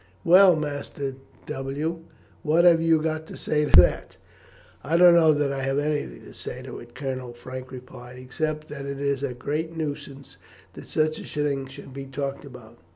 "Well, Master W t, what have you to say to that?" "I don't know that I have anything to say to it, Colonel," Frank replied, "except that it is a great nuisance that such a thing should be talked about.